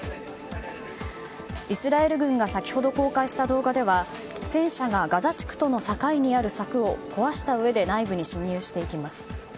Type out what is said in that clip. イスラエル軍が先ほど公開した動画では戦車がガザ地区との境にある柵を壊したうえで内部に侵入していきます。